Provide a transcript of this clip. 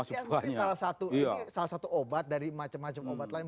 ini salah satu obat dari macam macam obat lain